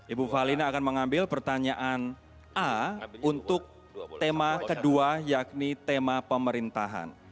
ibu falina akan mengambil pertanyaan a untuk tema kedua yakni tema pemerintahan